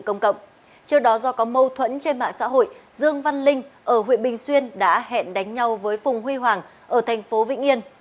trước đó do có mâu thuẫn trên mạng xã hội dương văn linh ở huyện bình xuyên đã hẹn đánh nhau với phùng huy hoàng ở thành phố vĩnh yên